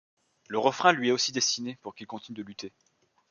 Le refrain lui est aussi destiné, pour qu'il continue de lutter.